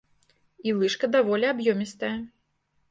І лыжка даволі аб'ёмістая.